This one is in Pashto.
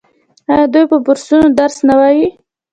آیا دوی په بورسونو درس نه وايي؟